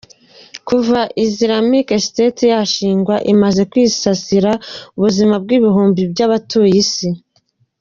Kuva Islamic State yashingwa, imaze kwisasira ubuzima bw’ibihumbi by’abatuye Isi.